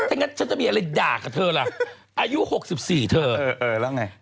ถ้างั้นฉันจะมีอะไรด่ากับเธอล่ะอายุ๖๔เธอเออแล้วไง